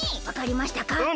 わかりましたか？